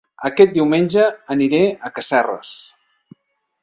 Aquest diumenge aniré a Casserres